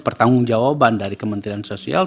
pertanggung jawaban dari kementerian sosial